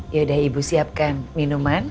ya udah ibu siapkan minuman